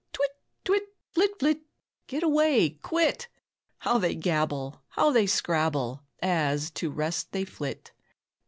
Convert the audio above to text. "Twit, twit, flit, flit, get away, quit!" How they gabble, how they scrabble As to rest they flit.